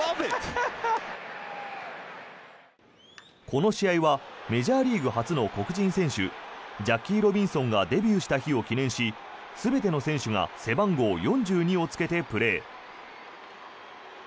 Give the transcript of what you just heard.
この試合はメジャーリーグ初の黒人選手ジャッキー・ロビンソンがデビューした日を記念し全ての選手が背番号４２をつけてプレー。